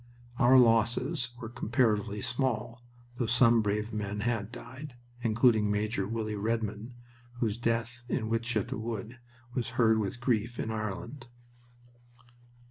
Our losses were comparatively small, though some brave men had died, including Major Willie Redmond, whose death in Wytschaete Wood was heard with grief in Ireland.